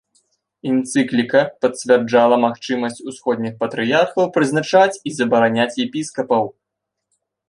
Энцыкліка пацвярджала магчымасць усходніх патрыярхаў прызначаць і забараняць епіскапаў.